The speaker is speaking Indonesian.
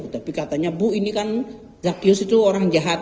tapi katanya bu ini kan zakius itu orang jahat